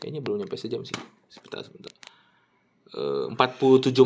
kayaknya belum nyampe sejam sih